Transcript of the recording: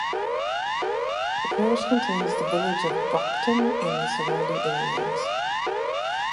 The parish contains the village of Brocton and the surrounding area.